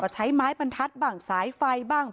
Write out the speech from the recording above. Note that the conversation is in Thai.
ใช้ไม้บรรทัดบ้างสายไฟบ้าง